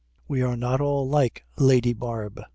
We are not all like "Lady Barb."